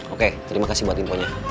oke terima kasih buat info nya